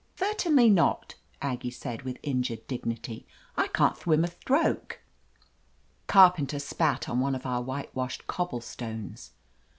" "Thirtainly not," Aggie said with injured dignity, "I can't thwim a thtroke." Carpenter spat on one of our whitewashed cobblestones.